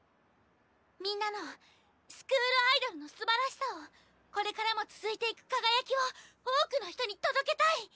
みんなのスクールアイドルのすばらしさをこれからも続いていく輝きを多くの人に届けたい！